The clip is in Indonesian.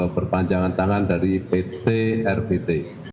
berpanjangan tangan dari pt rpt